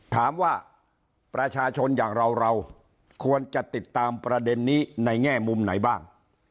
ถามว่าประชาชนอย่างเราเราควรจะติดตามประเด็นนี้ในแง่มุมไหนบ้าง